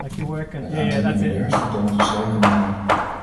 Het aantal miljardairs vertoont een stijgende lijn.